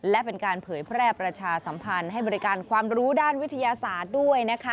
และเป็นการเผยแพร่ประชาสัมพันธ์ให้บริการความรู้ด้านวิทยาศาสตร์ด้วย